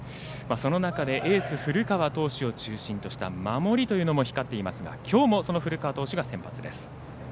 その中でエース古川投手を中心とした守りというのも光っていますがきょうも古川投手が先発です。